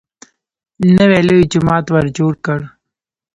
نوی لوی جومات ورجوړ کړ.